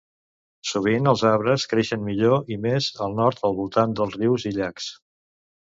Sovint els arbres creixen millor i més al nord al voltant dels rius i llacs.